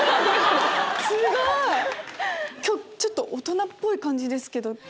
今日ちょっと大人っぽい感じですけど。